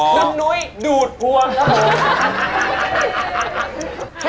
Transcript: คุณนุ้ยดูดภวงนะครับ